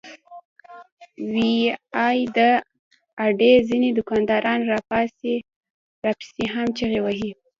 وې ئې " د اډې ځنې دوکانداران راپسې هم چغې وهي